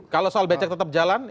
kalau soal becek tetap jalan